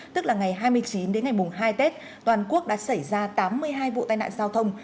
tức là ngày hai mươi chín đến ngày mùng hai tết toàn quốc đã xảy ra tám mươi hai vụ tai nạn giao thông